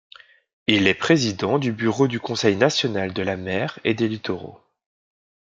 Il est président du bureau du Conseil national de la mer et des littoraux.